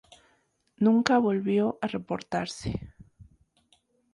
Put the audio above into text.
Nunca volvió a reportarse.